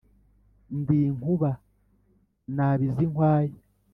Ndi inkuba nabiza inkwaya